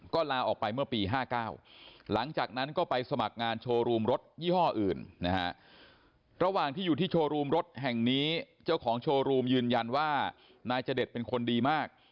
ก็ลาออกไปเมื่อปี๕๙หลังจากนั้นก็ไปสมัครงานโชว์รูมรถยี่ห้ออื่นนะฮะระหว่างที่อยู่ที่โชว์รูมรถแห่งนี้เจ้าของโชว์รูมยืนยันว่านายจเดชเป็นคนดีมาก